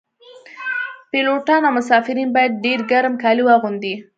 پیلوټان او مسافرین باید ډیر ګرم کالي واغوندي